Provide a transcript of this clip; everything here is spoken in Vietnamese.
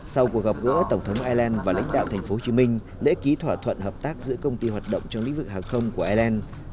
sau cuộc gặp gỡ tổng thống ireland và lãnh đạo thành phố hồ chí minh đã ký thỏa thuận hợp tác giữa công ty hoạt động trong lĩnh vực hàng không của ireland